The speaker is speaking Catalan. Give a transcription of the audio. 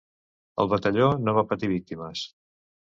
El batalló no va patir víctimes.